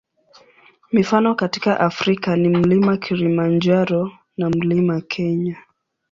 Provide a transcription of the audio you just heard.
Mifano katika Afrika ni Mlima Kilimanjaro na Mlima Kenya.